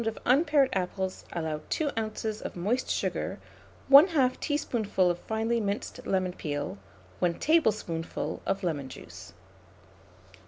of unpared apples allow 2 oz. of moist sugar, 1/2 teaspoonful of finely minced lemon peel, 1 tablespoonful of lemon juice.